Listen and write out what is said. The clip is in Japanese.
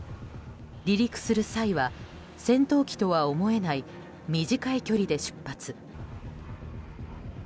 離陸する際は戦闘機とは思えない短い距離で出発。